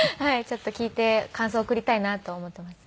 ちょっと聴いて感想送りたいなと思ってます。